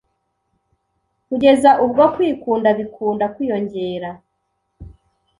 Kugeza ubwo kwikunda bikunda kwiyongera